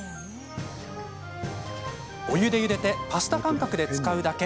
お湯でゆでてパスタ感覚で使うだけ。